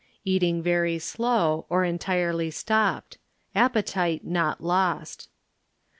Eating very slow, or entirely stopped; appetite not lost.